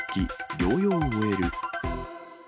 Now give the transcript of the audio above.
療養終える。